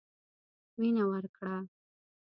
مينه ورکړه.